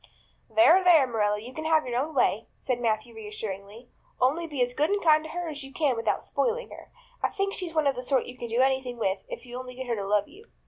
"There, there, Marilla, you can have your own way," said Matthew reassuringly. "Only be as good and kind to her as you can without spoiling her. I kind of think she's one of the sort you can do anything with if you only get her to love you."